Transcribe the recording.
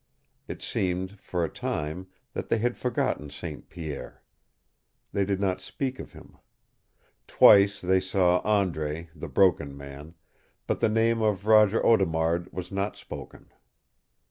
It seemed, for a time, that they had forgotten St. Pierre. They did not speak of him. Twice they saw Andre, the Broken Man, but the name of Roger Audemard was not spoken.